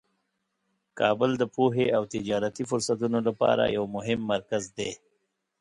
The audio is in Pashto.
کابل د پوهې او تجارتي فرصتونو لپاره یو مهم مرکز دی.